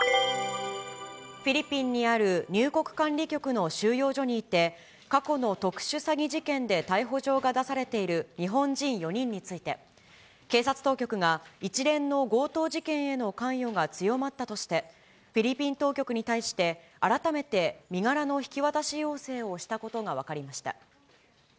フィリピンにある入国管理局の収容所にいて、過去の特殊詐欺事件で逮捕状が出されている日本人４人について、警察当局が、一連の強盗事件への関与が強まったとして、フィリピン当局に対して、改めて身柄の引き渡し要請をしたことが分かりました。